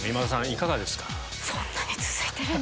いかがですか？